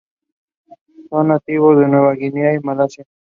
Son nativos de Nueva Guinea y Malasia.